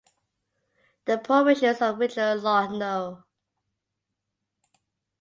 The provisions of the Regional Law no.